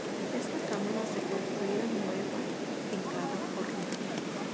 Esta cámara se construía nueva en cada hornada.